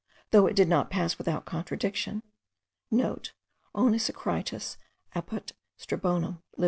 though it did not pass without contradiction,* (* Onesicritus, apud Strabonem, lib.